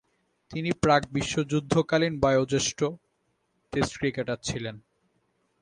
তিনি প্রাক-বিশ্বযুদ্ধকালীন বয়োঃজ্যেষ্ঠ test cricketer ছিলেন।